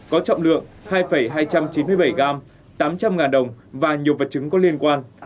có trọng lượng hai hai trăm chín mươi bảy gram tám trăm linh ngàn đồng và nhiều vật chứng có liên quan